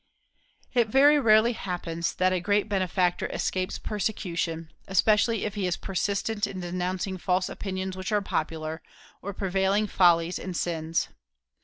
It very rarely happens that a great benefactor escapes persecution, especially if he is persistent in denouncing false opinions which are popular, or prevailing follies and sins.